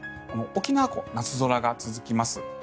沖縄、夏空が続きます。